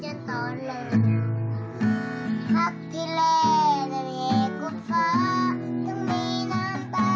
ในวันนี้เยี่ยวเจอกันแล้วที่ยังก็เข้าต้มต้มจากน้า